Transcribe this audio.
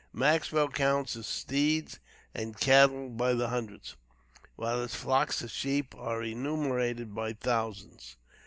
Maxwell counts his steeds and cattle by hundreds, while his flocks of sheep are enumerated by thousands.